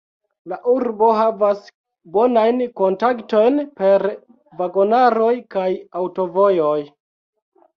La urbo havas bonajn kontaktojn per vagonaroj kaj aŭtovojoj.